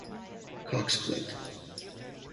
Cox Plate.